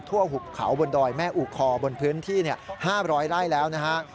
ทั่วหุบเขาบนดอยแม่อูคอร์บนพื้นที่๕๐๐ไร่แล้วนะครับ